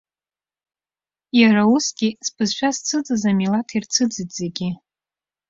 Иара усгьы збызшәа зцәыӡыз амилаҭ, ирцәыӡит зегьы.